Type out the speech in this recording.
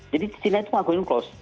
jadi china itu mengakui ungglos